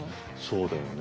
そうだよね。